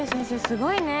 すごいね・